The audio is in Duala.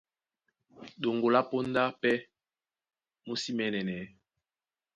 Ɗoŋgo lá póndá pɛ́ mú sí mɛ̌nɛnɛ.